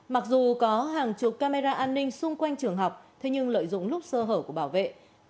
mặc dù có hàng chục camera an ninh xung quanh trường học thế nhưng lợi dụng lúc sơ hở của bảo vệ